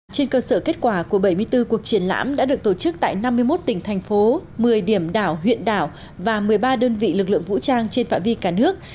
trên cơ sở kết quả của bảy mươi bốn cuộc triển lãm đã được tổ chức tại năm mươi một tỉnh thành phố một mươi điểm đảo huyện đảo và một mươi ba đơn vị lực lượng vũ trang trên phạm vi cả nước